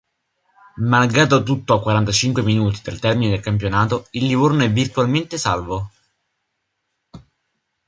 Malgrado tutto a quarantacinque minuti dal termine del campionato il Livorno è virtualmente salvo.